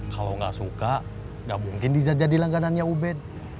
kalau nggak suka nggak mungkin bisa jadi langganannya ubed